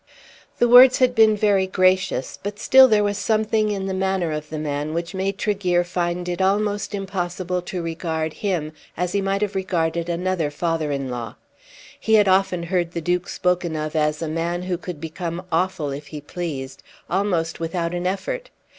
The words had been very gracious, but still there was something in the manner of the man which made Tregear find it almost impossible to regard him as he might have regarded another father in law. He had often heard the Duke spoken of as a man who could become awful if he pleased, almost without an effort.